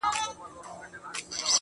• خدايه له بـهــاره روانــېــږمه.